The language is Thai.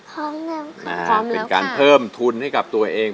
พร้อมแล้วค่ะพร้อมแล้วค่ะเป็นการเพิ่มทุนให้กับตัวเอง